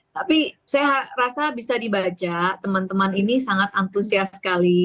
tapi saya rasa bisa dibaca teman teman ini sangat antusias sekali